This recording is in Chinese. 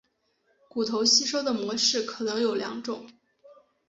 骨头吸收的模式可能有两种。